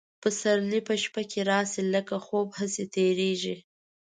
پسرلي په شپه کي راسي لکه خوب هسي تیریږي